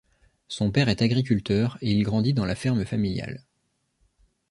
Son père est agriculteur et il grandit dans la ferme familiale.